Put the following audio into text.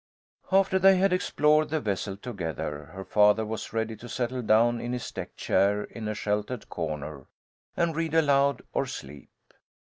After they had explored the vessel together, her father was ready to settle down in his deck chair in a sheltered corner, and read aloud or sleep.